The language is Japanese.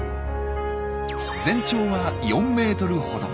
全長は４ｍほど。